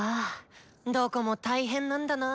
どこも大変なんだな。